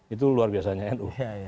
itu luar biasanya nu